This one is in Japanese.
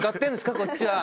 こっちは。